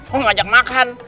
mau ngajak makan